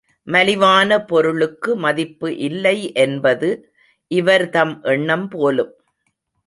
மலிவான பொருளுக்கு மதிப்பு இல்லை என்பது இவர்தம் எண்ணம் போலும்.